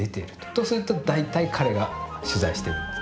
とすると大体彼が取材してるんです。